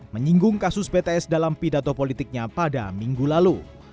menyinggung kasus bts dalam pidato politiknya pada minggu lalu